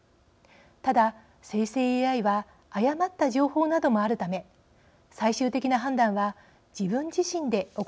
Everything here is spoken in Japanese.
ただ生成ＡＩは誤った情報などもあるため最終的な判断は自分自身で行っていかなくてはいけません。